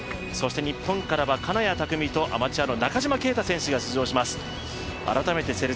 そして日本からは金谷拓実とアマチュアの中島啓太選手が出場します。